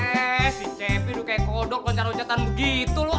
eh si cepi tuh kayak kodok loncat loncatan begitu lo ah